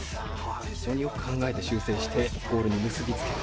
非常によく考えて修正してゴールに結びつけた。